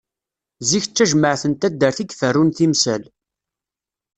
Zik d tajmeɛt n taddart i iferrun timsal.